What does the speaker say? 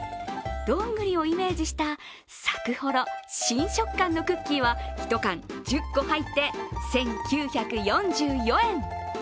どんぐりをイメージしたサクホロ、新食感のクッキーは１缶１０個入って１９４４円。